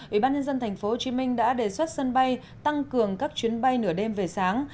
ủy ban nhân dân thành phố hồ chí minh đã đề xuất sân bay tăng cường các chuyến bay nửa đêm về sáng